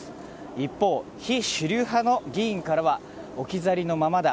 一方、非主流派の議員からは置き去りのままだ。